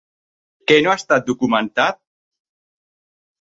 Què no ha estat documentat?